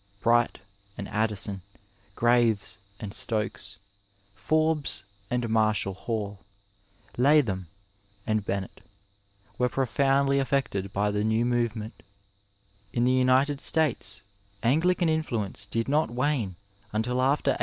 Bright and Addison, Graves and Stokes, Forbes and Marshall Hall, Latham and Bezmett were profoundly affected by the new movement; In the United States Ang^can influence did not wane until after 1820.